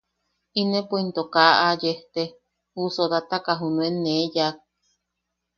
Inepo into kaa aa yejte, ju sodataka junuen nee yaak.